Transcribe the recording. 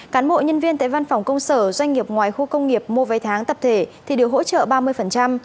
cán bộ nhân viên tại văn phòng công sở doanh nghiệp ngoài khu công nghiệp mua vé tháng tập thể thì được hỗ trợ ba mươi